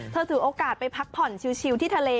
ถือโอกาสไปพักผ่อนชิวที่ทะเล